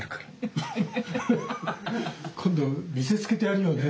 今度見せつけてやるよね。